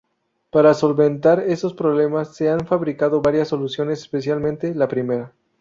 Para solventar estos problemas se han fabricado varias soluciones, especialmente la primera.